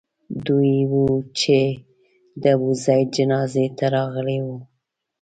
دوی وو چې د ابوزید جنازې ته راغلي وو.